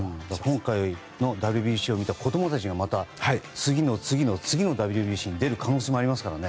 今回のＷＢＣを見た子供たちもまた次の次の次のＷＢＣに出る可能性がありますから。